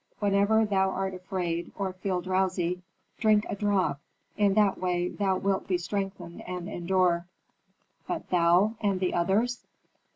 Whenever thou art afraid, or feel drowsy, drink a drop. In that way thou wilt be strengthened and endure." "But thou, and the others?"